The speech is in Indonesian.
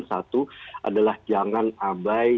satu adalah jangan abai